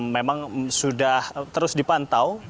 memang sudah terus dipantau